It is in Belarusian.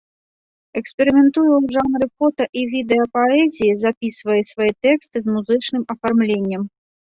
Эксперыментуе ў жанры фота і відэа-паэзіі, запісвае свае тэксты з музычным афармленнем.